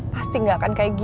pasti nggak akan begini ya